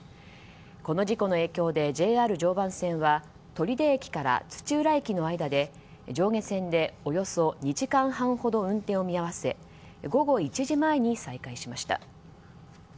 この事故の影響でＪＲ常磐線は取手駅から土浦駅の間で上下線でおよそ２時間半ほど運転を見合わせ午後１時前に再開しました。